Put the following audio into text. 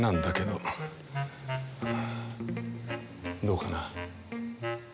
どうかな？